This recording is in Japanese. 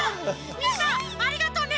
みんなありがとうね！